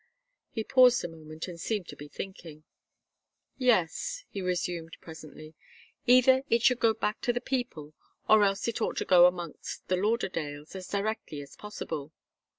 He paused a moment and seemed to be thinking. "Yes," he resumed, presently, "either it should go back to the people, or else it ought to go amongst the Lauderdales, as directly as possible.